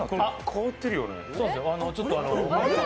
変わってるよね。